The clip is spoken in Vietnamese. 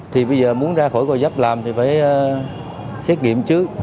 thì bây giờ muốn ra khỏi cầu gò dấp làm thì phải xét nghiệm trước